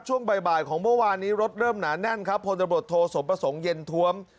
ช่วงบ่ายของเมื่อวานนี้รถเริ่มหนาแน่นครับพลตำรวจโทสมประสงค์เย็นทวม